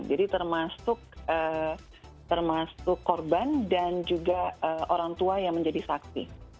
jadi termasuk korban dan juga orang tua yang menjadi saksi